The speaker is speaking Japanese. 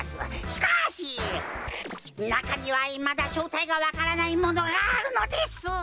しかしなかにはいまだしょうたいがわからないものがあるのです！